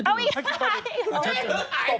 อ้าวอีกประตู